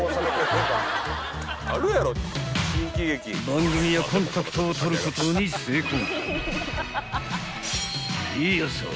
［番組はコンタクトを取ることに成功］